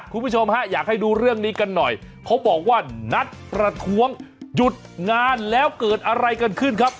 คุณผู้ชมฮะอยากให้ดูเรื่องนี้กันหน่อยเขาบอกว่านัดประท้วงหยุดงานแล้วเกิดอะไรกันขึ้นครับ